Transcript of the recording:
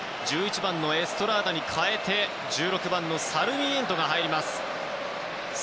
１１番のエストラーダと代えて１６番のサルミエントが入ります。